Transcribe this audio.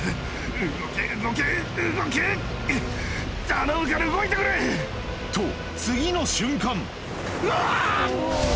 頼むから動いてくれ！と次の瞬間うわ！